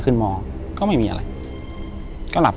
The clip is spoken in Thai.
อยู่ที่แม่ศรีวิรัยิลครับ